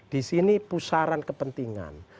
di sini pusaran kepentingan